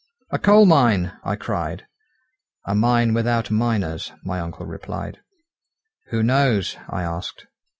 "A coal mine!" I cried. "A mine without miners," my uncle replied. "Who knows?" I asked.